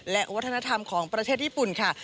และวัฒนธรรมของประเทศญี่ปุ่นค่ะ